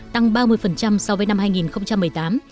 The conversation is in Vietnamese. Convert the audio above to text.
tăng ba mươi so với năm hai nghìn một mươi tám